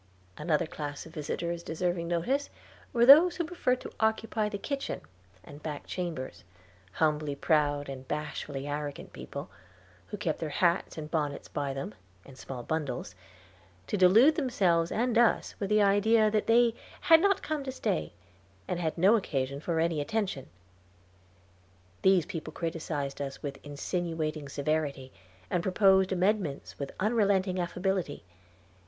Another class of visitors deserving notice were those who preferred to occupy the kitchen and back chambers, humbly proud and bashfully arrogant people, who kept their hats and bonnets by them, and small bundles, to delude themselves and us with the idea that they "had not come to stay, and had no occasion for any attention." These people criticised us with insinuating severity, and proposed amendments with unrelenting affability.